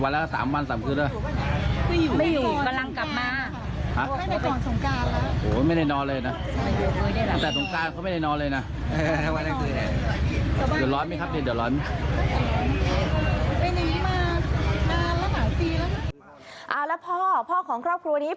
เอาแล้วพ่อพ่อของครอบครัวนี้